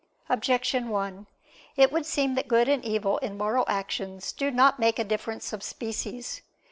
Objection 1: It would seem that good and evil in moral actions do not make a difference of species.